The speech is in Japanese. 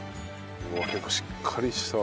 結構しっかりした。